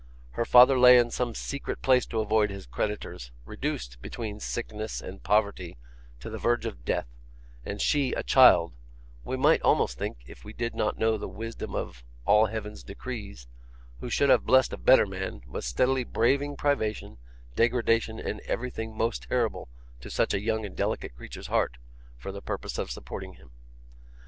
Her father lay in some secret place to avoid his creditors, reduced, between sickness and poverty, to the verge of death, and she, a child, we might almost think, if we did not know the wisdom of all Heaven's decrees who should have blessed a better man, was steadily braving privation, degradation, and everything most terrible to such a young and delicate creature's heart, for the purpose of supporting him.